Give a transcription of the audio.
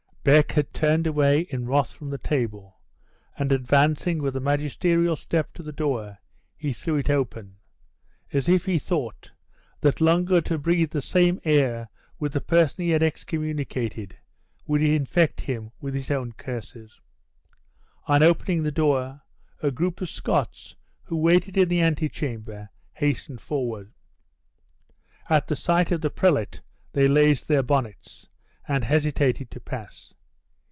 Beck had turned away in wrath from the table, and advancing with a magisterial step to the door, he threw it open; as if he thought, that longer to breathe the same air with the person he had excommunicated, would infect him with his own curses. On opening the door, a group of Scots, who waited in the antechamber, hastened forward. At the sight of the prelate they raised their bonnets, and hesitated to pass.